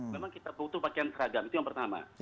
memang kita butuh pakaian seragam itu yang pertama